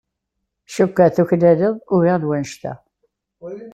Cukkeɣ tuklaleḍ ugar n wannect-a.